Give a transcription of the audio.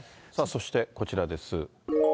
そして、こちらです。